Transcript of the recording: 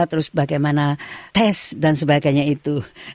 terus bagaimana tes dan sebagainya itu